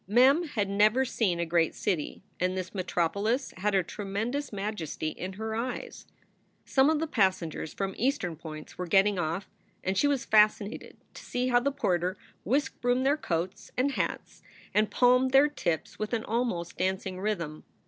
Mem had never seen a great city, and this metropolis had a tremendous majesty in her eyes. Some of the passengers from Eastern points were getting off and she was fascinated to see how the porter whisk broomed their coats and hats and palmed their tips with 52 SOULS FOR SALE an almost dancing rhythm.